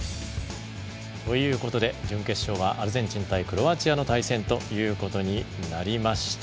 ということで準決勝はアルゼンチン対クロアチアの対戦ということになりました。